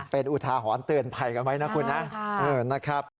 เป็นอุทาหรณ์เตือนภัยกันไว้นะคุณนะนะครับ